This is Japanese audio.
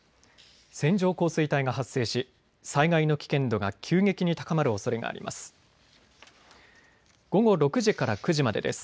線状降水帯が発生し災害の危険度が急激に高まるおそれがあります。